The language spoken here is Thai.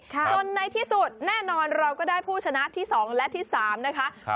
จนในที่สุดแน่นอนเราก็ได้ผู้ชนะที่๒และที่๓นะคะ